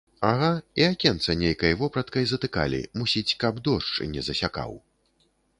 Ага, і акенца нейкай вопраткай затыкалі, мусіць, каб дождж не засякаў.